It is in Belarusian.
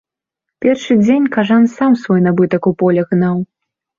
Першы дзень кажан сам свой набытак у поле гнаў.